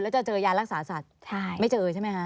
แล้วจะเจอยารักษาสัตว์ไม่เจอใช่ไหมคะ